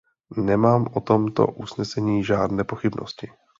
Nemám o tomto usnesení žádné pochybnosti.